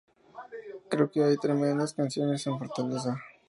Creo que hay tremendas canciones en Fortaleza.